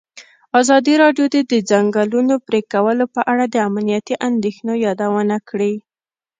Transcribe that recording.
ازادي راډیو د د ځنګلونو پرېکول په اړه د امنیتي اندېښنو یادونه کړې.